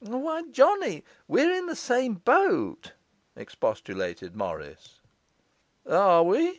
'Why, Johnny, we're in the same boat!' expostulated Morris. 'Are we?